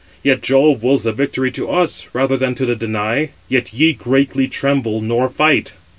Yet Jove wills the victory to us, rather than to the Danai; yet ye greatly tremble, nor fight."